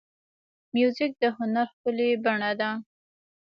موزیک د هنر ښکلې بڼه ده.